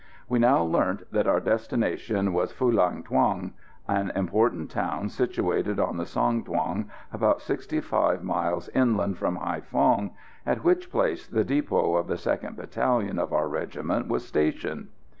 We now learnt that our destination was Phulang Thuong, an important town situated on the Song Thuong, about 65 miles inland from Haïphong, at which place the depot of the 2nd Battalion of our regiment was stationed.